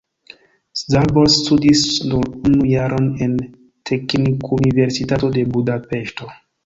Szabolcs studis nur unu jaron en Teknikuniversitato de Budapeŝto.